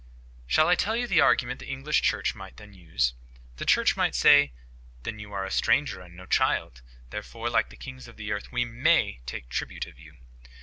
"Shall I tell you the argument the English Church might then use? The Church might say, 'Then you are a stranger, and no child; therefore, like the kings of the earth, we MAY take tribute of you.